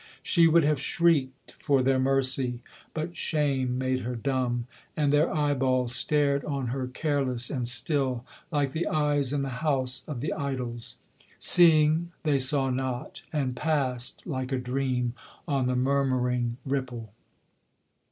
She would have shrieked for their mercy: but shame made her dumb; and their eyeballs Stared on her careless and still, like the eyes in the house of the idols. Seeing they saw not, and passed, like a dream, on the murmuring ripple.